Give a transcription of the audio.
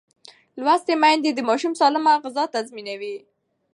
لوستې میندې د ماشوم سالمه غذا تضمینوي.